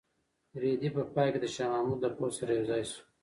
رېدی په پای کې د شاه محمود له پوځ سره یوځای شو.